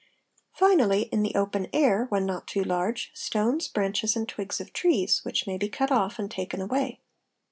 finally in the open air, when not too large, stones, branches and twigs of trees, which may be cut off and taken away.